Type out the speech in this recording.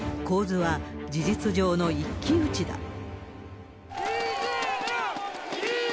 構図は、事実上の一騎打ちだ。